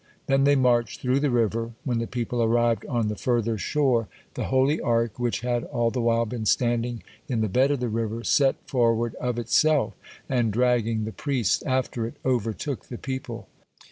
Then they marched through the river. When the people arrived on the further shore, the holy Ark, which had all the while been standing in the bed of the river, set forward of itself, and, dragging the priests after it, overtook the people.